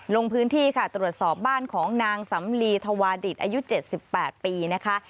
ลงพื้นที่ค่ะตรวจสอบบ้านของนางสำลีธวาดิตอายุ๗๘ปีนะคะ